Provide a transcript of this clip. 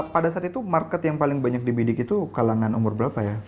pada saat itu market yang paling banyak dibidik itu kalangan umur berapa ya